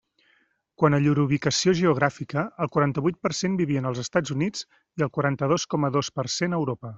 Quant a llur ubicació geogràfica, el quaranta-vuit per cent vivien als Estats Units i el quaranta-dos coma dos per cent a Europa.